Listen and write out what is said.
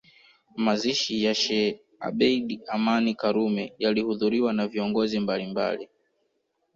Mazishi ya Sheikh Abeid Amani Karume yalihudhuriwa na viongozi mbalimbali